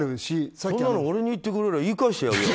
そんなの俺に言ってくれりゃ言い返してやるよ。